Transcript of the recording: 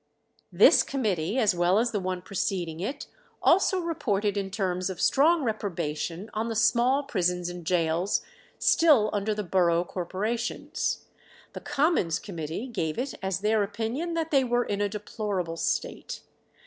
This committee, as well as the one preceding it, also reported in terms of strong reprobation on the small prisons and gaols still under the borough corporations. The Commons' Committee gave it as their opinion that they were in a deplorable state.